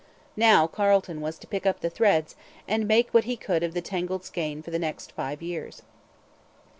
Now Carleton was to pick up the threads and make what he could of the tangled skein for the next five years.